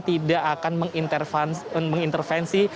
tidak akan mengintervensi